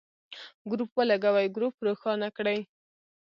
ګروپ ولګوئ ، ګروپ روښانه کړئ.